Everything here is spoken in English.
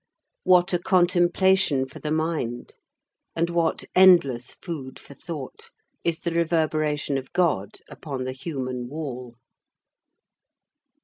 What a contemplation for the mind, and what endless food for thought, is the reverberation of God upon the human wall!